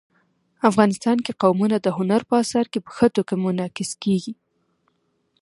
افغانستان کې قومونه د هنر په اثار کې په ښه توګه منعکس کېږي.